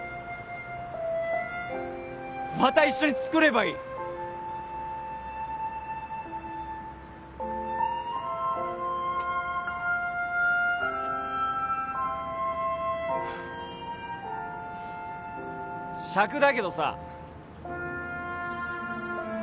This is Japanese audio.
また一緒に作ればいいしゃくだけどさ